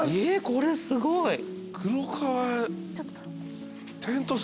えこれすごい。